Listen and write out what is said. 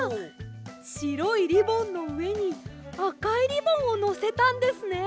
しろいリボンのうえにあかいリボンをのせたんですね。